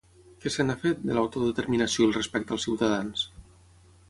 Què se n’ha fet, de l’autodeterminació i el respecte als ciutadans?